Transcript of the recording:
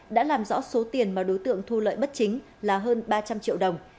đã làm rõ số tiền mà đối tượng thu lợi bất chính là hơn ba trăm linh triệu đồng